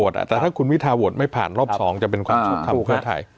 แต่ถ้าคุณวิทาโหวตไม่ผ่านรอบ๒จะเป็นความชอบทำเพื่อไทย